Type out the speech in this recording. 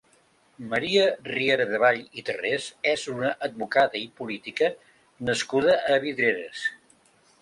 Maria Rieradevall i Tarrés és una advocada i política nascuda a Vidreres.